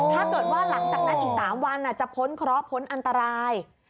ถ้าเกิดว่าหลังจากนั้นอีก๓วันจะพ้นเคราะห์พ้นอันตราย